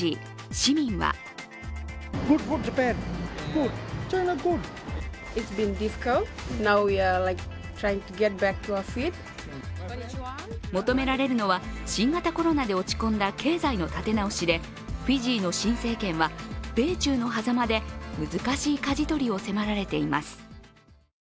市民は求められるのは、新型コロナで落ち込んだ経済の立て直しでフィジーの新政権は米中のはざまで難しいかじ取りを迫られています。